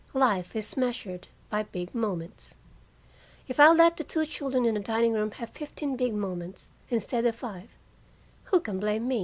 Life is measured by big moments. If I let the two children in the dining room have fifteen big moments, instead of five, who can blame me?